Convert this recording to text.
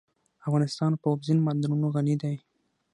افغانستان په اوبزین معدنونه غني دی.